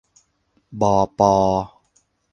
บอ ปอ